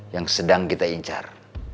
yang sedang kita incar